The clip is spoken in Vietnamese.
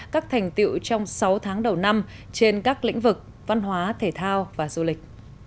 các thành tiệu trong sáu tháng đầu năm trên các lĩnh vực văn hóa thể thao và du lịch